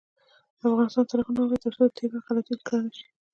افغانستان تر هغو نه ابادیږي، ترڅو د تیر وخت غلطۍ تکرار نشي.